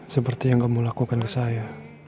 seperti yang kamu lakukan ke saya